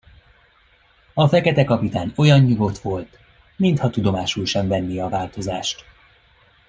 A Fekete Kapitány olyan nyugodt volt, mintha tudomásul sem venné a változást.